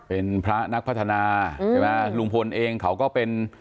เป็นพระนักพัฒนาใช่ไหมลุงพลเองเขาก็เป็น